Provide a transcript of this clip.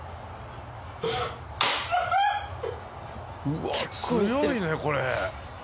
うわっ、強いね、これ。